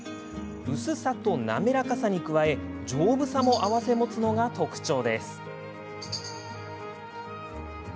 薄さと滑らかさに加え丈夫さも併せ持つのが特徴です。